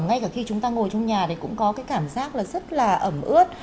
ngay cả khi chúng ta ngồi trong nhà thì cũng có cái cảm giác là rất là ẩm ướt